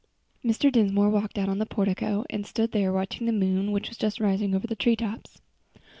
Mr. Dinsmore walked out on to the portico, and stood there watching the moon which was just rising over the treetops.